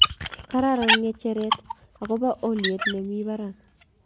Kararan ngecheret ako bo olyet ne mi barak